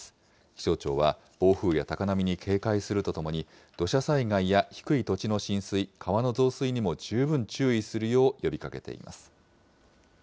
気象庁は暴風や高波に警戒するとともに、土砂災害や低い土地の浸水、川の増水にも十分注意するよう呼びかけています。